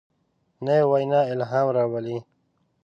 نوې وینا الهام راولي